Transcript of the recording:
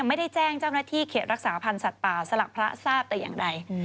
ไม่ได้แจ้งเจ้าหน้าที่เขตรักษาพันธ์สัตว์ป่าสลักพระทราบแต่อย่างใด